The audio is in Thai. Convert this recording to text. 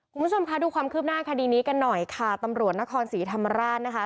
คุณผู้ชมคะดูความคืบหน้าคดีนี้กันหน่อยค่ะตำรวจนครศรีธรรมราชนะคะ